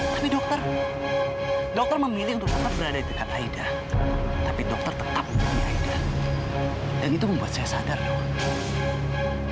tapi dokter dokter memilih untuk tetap berada di dekat aida tapi dokter tetap mempunyai aida dan itu membuat saya sadar dong